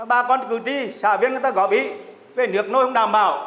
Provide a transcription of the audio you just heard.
ba con cử tri xả viên người ta góp ý về nước nôi không đảm bảo